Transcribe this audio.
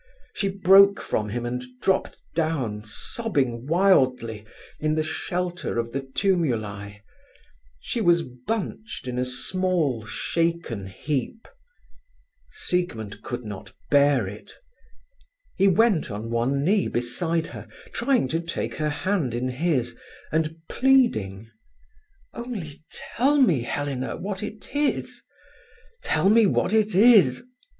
She broke from him and dropped down, sobbing wildly, in the shelter of the tumuli. She was bunched in a small, shaken heap. Siegmund could not bear it. He went on one knee beside her, trying to take her hand in his, and pleading: "Only tell me, Helena, what it is. Tell me what it is.